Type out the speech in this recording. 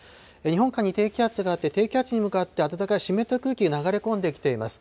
日本海に低気圧があって低気圧に向かって暖かい湿った空気が流れ込んできています。